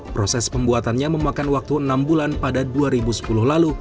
proses pembuatannya memakan waktu enam bulan pada dua ribu sepuluh lalu